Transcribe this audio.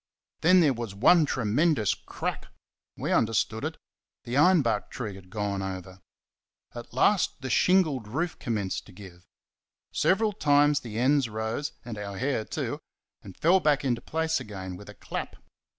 Then there was one tremendous crack we understood it the iron bark tree had gone over. At last, the shingled roof commenced to give. Several times the ends rose (and our hair too) and fell back into place again with a clap.